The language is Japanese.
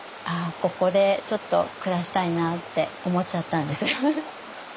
ここでちょっと暮らしたいなって思っちゃったんです。